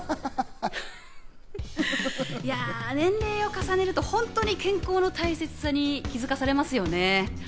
年齢を重ねると本当に健康の大切さに気付かされますよね。